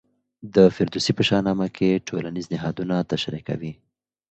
د فردوسي په شاه نامه کې ټولنیز نهادونه تشریح کوي.